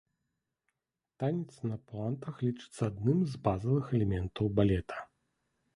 Танец на пуантах лічыцца адным з базавых элементаў балета.